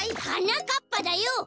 はなかっぱだよ！